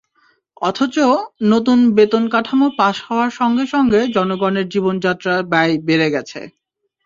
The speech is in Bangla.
অথচ নতুন বেতনকাঠামো পাস হওয়ার সঙ্গে সঙ্গে জনগণের জীবনযাত্রার ব্যয় বেড়ে গেছে।